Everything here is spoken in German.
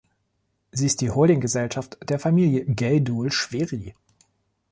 Sie ist die Holdinggesellschaft der Familie Gaydoul-Schweri.